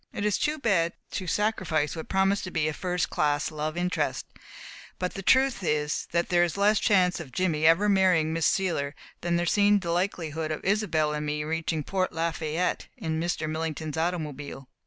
It is too bad to have to sacrifice what promised to be a first class love interest, but the truth is that there is less chance of Jimmy ever marrying Miss Seiler than there seemed likelihood of Isobel and me reaching Port Lafayette in Mr. Millington's automobile.